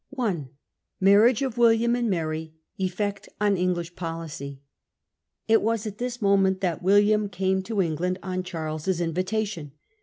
I. Marriage of William and Mary; Effect on English Policy. It was at this moment that William came to England, on Charles's invitation.